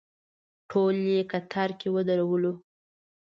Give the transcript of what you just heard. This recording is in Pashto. ټول یې کتار کې ودرولو.